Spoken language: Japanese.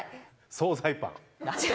総菜パン？